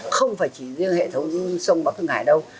không phải chỉ riêng hệ thống sông bắc hưng hải đâu